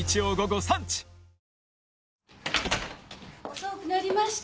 遅くなりました。